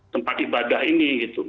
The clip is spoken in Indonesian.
tempat ibadah ini gitu